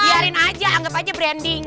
biarin aja anggap aja branding